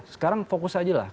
sekarang fokus aja lah